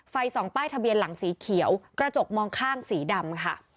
สองป้ายทะเบียนหลังสีเขียวกระจกมองข้างสีดำค่ะ